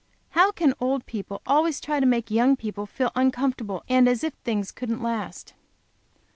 How can old people always try to make young people feel uncomfortable, and as if things couldn't last?